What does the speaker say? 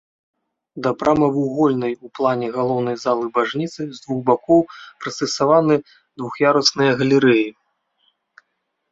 Да прамавугольнай у плане галоўнай залы бажніцы з двух бакоў прыстасаваны двух'ярусныя галерэі.